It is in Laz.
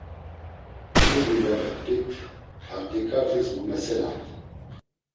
Mu dulyape p̌it artiǩatis vumeselamt.